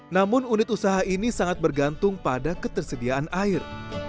namun unit usaha ini sangat bergantung pada ketersediaan air